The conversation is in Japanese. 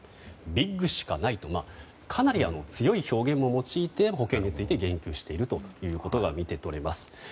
ビッグしかない！とかなり強い表現も用いて保険について言及していることが見て取れます。